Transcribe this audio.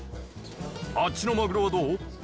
あっちのマグロはどう？